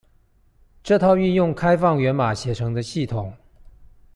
這套運用開放源碼寫成的系統